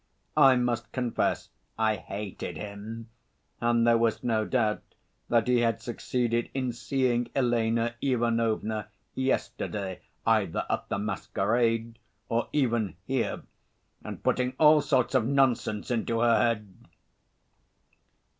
I must confess I hated him and there was no doubt that he had succeeded in seeing Elena Ivanovna yesterday either at the masquerade or even here, and putting all sorts of nonsense into her head.